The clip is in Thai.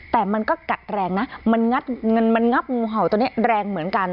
แต่มันก็กัดแรงนะมันงัดเงินมันงับงูเห่าตัวนี้แรงเหมือนกัน